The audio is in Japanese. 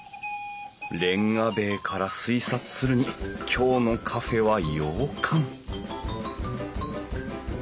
レンガ塀から推察するに今日のカフェは洋館？